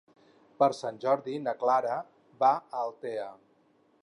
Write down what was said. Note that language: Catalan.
Per Sant Jordi na Clara va a Altea.